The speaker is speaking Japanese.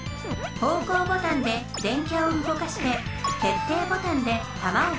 方向ボタンで電キャをうごかして決定ボタンで弾を発射。